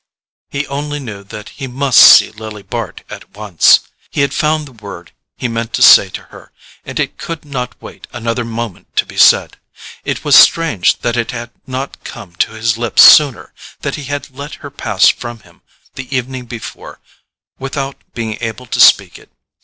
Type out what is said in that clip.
He only knew that he must see Lily Bart at once—he had found the word he meant to say to her, and it could not wait another moment to be said. It was strange that it had not come to his lips sooner—that he had let her pass from him the evening before without being able to speak it.